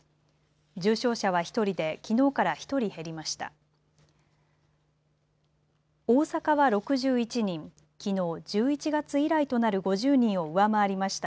重症者は１人できのうから１人減りました。